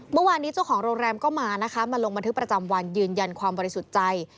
เมื่อวานนี้เจ้าของโรงแรมก็มานะคะมาลงบันทึกประจำวันยืนยันความบริสุทธิ์ใจ